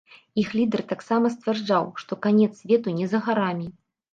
Іх лідэр таксама сцвярджаў, што канец свету не за гарамі.